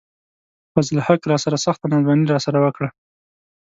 فضل الحق راسره سخته ناځواني راسره وڪړه